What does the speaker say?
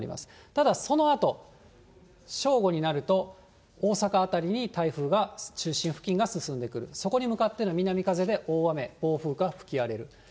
ただ、そのあと、正午になると、大阪辺りに台風が中心付近が進んでくる、そこに向かっての南風で大雨、暴風が吹き荒れる。